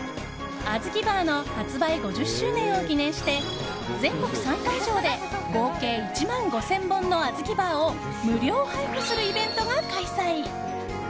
あずきバーの発売５０周年を記念して全国３会場で合計１万５０００本のあずきバーを無料配布するイベントが開催。